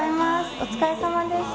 お疲れさまでした。